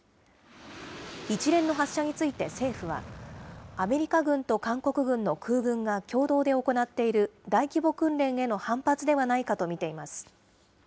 一連の発射について政府は、アメリカ軍と韓国軍の空軍が共同で行っている大規模訓練への反発ではないかと見ています。